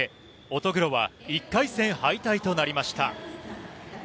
乙黒は、１回戦敗退となりました。